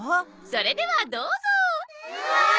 それではどうぞ。